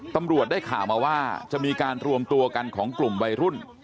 ตำรวจได้ข่าวมาว่าจะมีการรวมตัวกันของกลุ่มวัยรุ่น